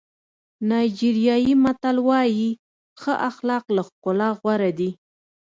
نایجیریایي متل وایي ښه اخلاق له ښکلا غوره دي.